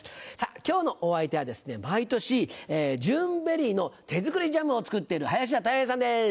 今日のお相手は毎年ジューンベリーの手作りジャムを作ってる林家たい平さんです。